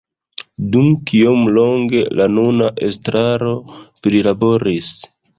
Dum kiom longe la nuna estraro prilaboris